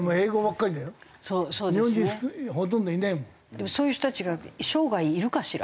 でもそういう人たちが生涯いるかしら？